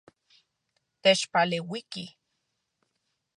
Techpaleuiki.